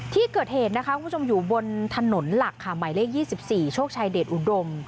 ที่เกิดเหตุนะคะคุณผู้ชมอยู่บนถนนหลักค่ะหมายเลข๒๔โชคชัยเดชอุดม